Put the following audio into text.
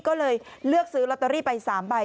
ก็เลยเลือกซื้อลอตเตอรี่ไป๓ใบ